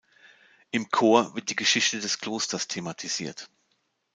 Im Chor wird die Geschichte des Klosters thematisiert.